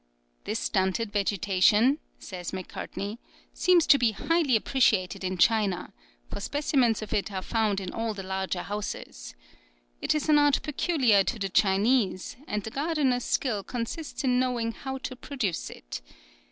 "This stunted vegetation," says Macartney, "seems to be highly appreciated in China, for specimens of it are found in all the larger houses. It is an art peculiar to the Chinese, and the gardener's skill consists in knowing how to produce it.